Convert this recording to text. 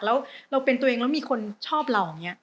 แล้วเราเป็นตัวเองแล้วมีคนชอบเรา